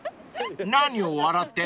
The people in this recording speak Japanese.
何を笑ってるの？］